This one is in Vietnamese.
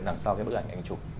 đằng sau những bức ảnh anh chụp